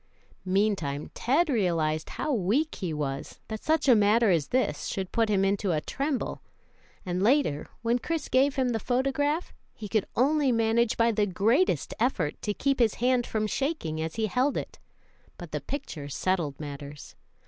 Meantime, Ted realized how weak he was, that such a matter as this should put him into a tremble; and later, when Chris gave him the photograph, he could only manage by the greatest effort to keep his hand from shaking as he held it, but the picture settled matters.